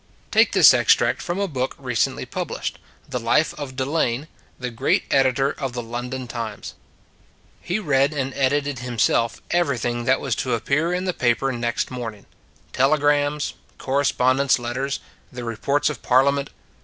Take this extract from a book recently published the life of Delane, the great editor of the London " Times." He read and edited himself everything that was to appear in the paper next morning telegrams, correspondents letters, the reports of Parliament.